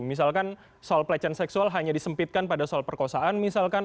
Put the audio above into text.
misalkan soal pelecehan seksual hanya disempitkan pada soal perkosaan misalkan